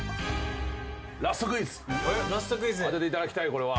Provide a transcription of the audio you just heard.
当てていただきたいこれは。